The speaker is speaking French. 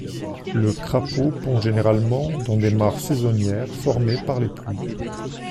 Le crapaud pond généralement dans des mares saisonnières formées par les pluies.